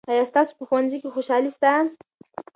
آیا ستاسو په ښوونځي کې خوشالي سته؟